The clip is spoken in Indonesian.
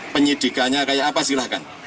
penyidikannya kayak apa silahkan